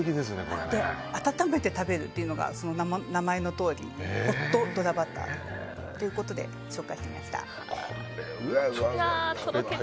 温めて食べるというのが名前のとおりホットドラバターということで紹介してみました。